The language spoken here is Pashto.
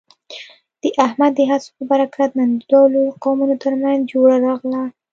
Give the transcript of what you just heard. د احمد د هڅو په برکت، نن د دوو لویو قومونو ترمنځ جوړه راغله.